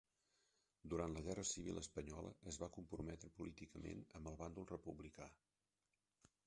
Durant la Guerra Civil espanyola es va comprometre políticament amb el bàndol republicà.